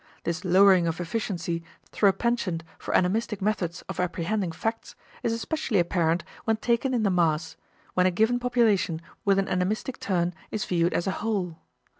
This lowering of efficiency through a penchant for animistic methods of apprehending facts is especially apparent when taken in the mass when a given population with an animistic turn is viewed as a whole.